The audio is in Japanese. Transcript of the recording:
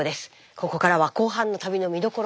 ここからは後半の旅の見どころを。